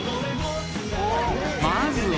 ［まずは］